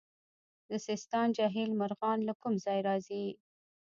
د سیستان جهیل مرغان له کوم ځای راځي؟